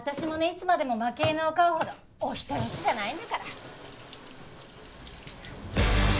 いつまでも負け犬を飼うほどお人よしじゃないんだから。